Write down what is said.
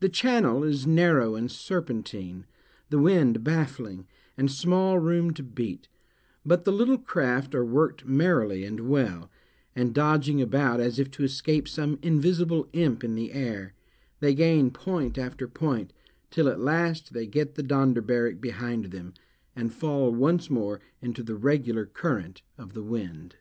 The channel is narrow and serpentine, the wind baffling, and small room to beat; but the little craft are worked merrily and well; and dodging about, as if to escape some invisible imp in the air, they gain point after point, till at last they get the Donderbarrak behind them, and fall once more into the regular current of the wind.